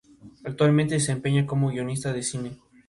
Según otra versión habría muerto de un edema pulmonar.